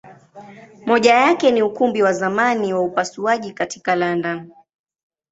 Moja yake ni Ukumbi wa zamani wa upasuaji katika London.